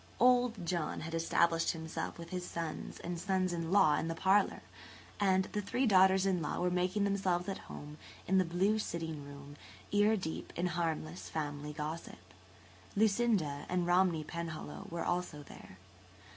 "Old" John had established himself with his sons and sons in law in the parlour, and the three daughters in law were making themselves at home in the blue sitting room, ear deep in harmless family gossip. Lucinda and Romney Penhallow were also there.